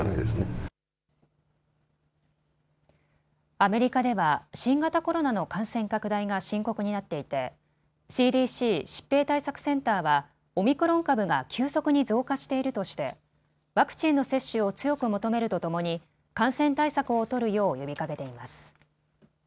アメリカでは新型コロナの感染拡大が深刻になっていてＣＤＣ・疾病対策センターはオミクロン株が急速に増加しているとしてワクチンの接種を強く求めるとともに感染対策を取るよう呼びかけています。